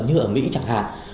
như ở mỹ chẳng hạn